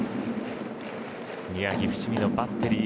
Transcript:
宮城、伏見のバッテリー